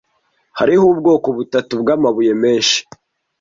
Hariho ubwoko butatu bwamabuye menshi